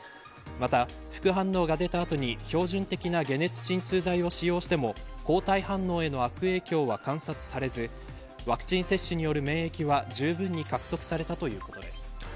また、副反応が出た後に標準的な解熱鎮痛剤を使用しても抗体反応への悪影響は観察されずワクチン接種による免疫はじゅうぶんに獲得されたということです。